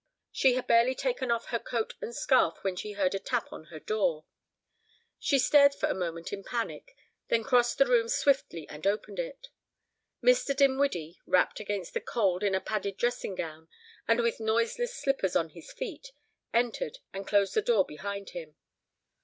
She had barely taken off her coat and scarf when she heard a tap on her door. She stared for a moment in panic, then crossed the room swiftly and opened it. Mr. Dinwiddie, wrapped against the cold in a padded dressing gown and with noiseless slippers on his feet, entered and closed the door behind him.